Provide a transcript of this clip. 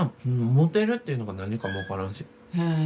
モテるっていうのが何かも分からんし。